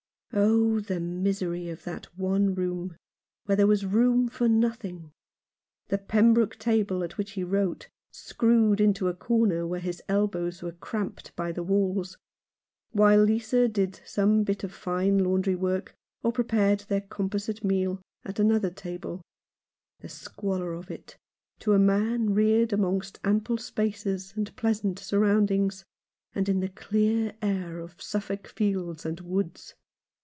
Oh, the misery of that one room, where there was room for nothing ! The Pembroke table at which he wrote, screwed into a corner where his elbows were cramped by the walls, while Lisa did some bit of fine laundrywork, or prepared their composite meal, at another table — the squalor of it to a man reared amongst ample spaces and pleasant surroundings, and in the clear air of Suffolk fields and woods